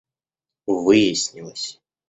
выяснилось